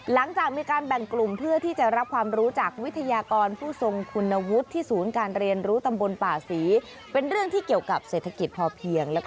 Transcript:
หลังจากมีการแบ่งกลุ่มเพื่อที่จะรับความรู้จักวิทยากรผู้ทรงคุณวุฒิที่ศูนย์การเรียนรู้ตำบลป่าศรี